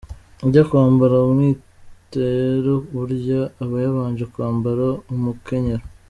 Ujya kwambara umwitero burya aba yabanje kwambara umukenyero.